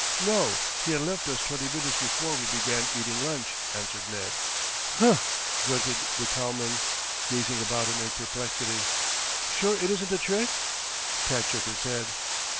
"No; he had left us twenty minutes before we began eating lunch," answered Ned. "Humph!" grunted the cowman, gazing about him in perplexity. "Sure it isn't a trick?" Tad shook his head.